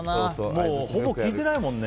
もう、ほぼ聞いてないもんね。